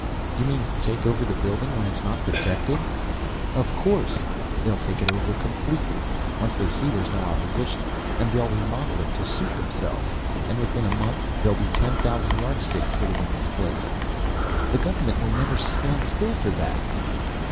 "You mean, take over the building when it's not protected?" "Of course. They'll take it over completely, once they see there's no opposition. And they'll remodel it to suit themselves, and within a month there'll be ten thousand Yardsticks sitting in this place." "The government will never stand still for that."